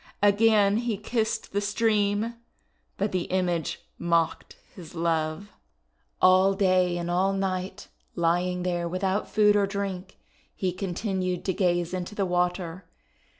Again he kissed the stream, but the image mocked his love. ECHO AND NARCISSUS 19 All day and all night, lying there without food or drink, he continued to gaze into the water.